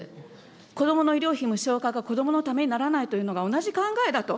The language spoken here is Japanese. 子どもの医療費無償化が子どものためにならないというのが同じ考えだと。